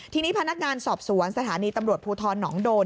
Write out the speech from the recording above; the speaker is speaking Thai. ทีนี้พนักงานสอบสวนสถานีตำรวจภูทรหนองโดน